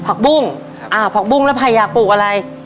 ผักบุ้งอ่าผักบุ้งแล้วไผ่อยากปลูกอะไร